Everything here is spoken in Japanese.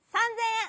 ３，０００円！